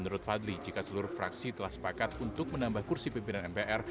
menurut fadli jika seluruh fraksi telah sepakat untuk menambah kursi pimpinan mpr